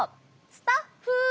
スタッフゥ！